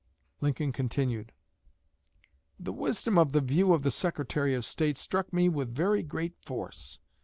'" Lincoln continued: "The wisdom of the view of the Secretary of State struck me with very great force.